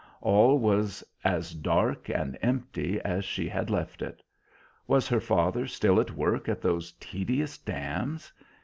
All was as dark and empty as she had left it. Was her father still at work at those tedious dams?